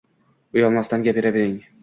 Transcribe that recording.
Uyalmasdan gapiravering